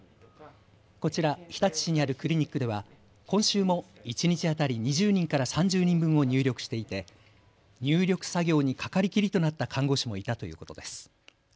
こちら日立市にあるクリニックでは今週も一日当たり２０人から３０人分を入力していて入力作業にかかりきりとなった看護師もいたということです。